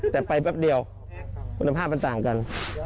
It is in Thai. แต่ไปแป๊บเดียวคุณภาพมันต่างกัน